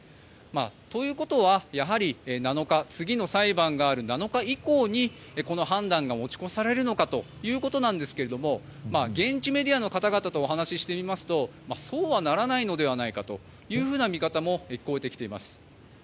ということは、やはり次の裁判がある７日以降にこの判断が持ち越されるのかということなんですが現地メディアの方々とお話してみますとそうはならないのではないかという見方も聞こえてきています。